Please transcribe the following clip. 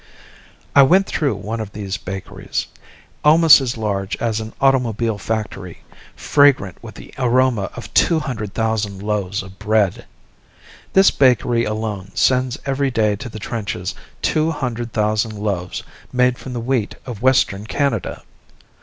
I went through one of these bakeries, almost as large as an automobile factory, fragrant with the aroma of two hundred thousand loaves of bread. This bakery alone sends every day to the trenches two hundred thousand loaves made from the wheat of western Canada!